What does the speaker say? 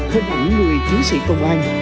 hơn ủi người chiến sĩ công an